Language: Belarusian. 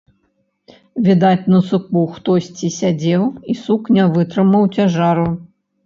Відаць, на суку хтосьці сядзеў, і сук не вытрымаў цяжару.